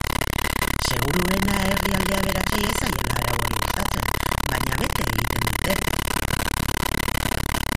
Seguruena herrialde aberatsei ez zaiela arau hori gustatzen, baina bete egiten dute.